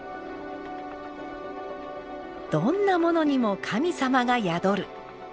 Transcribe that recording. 「どんなものにも神様が宿る」。